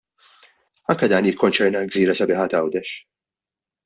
Anke dan jikkonċerna l-gżira sabiħa t'Għawdex.